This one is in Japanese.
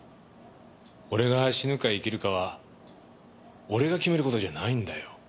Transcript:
俺が死ぬか生きるかは俺が決める事じゃないんだよ。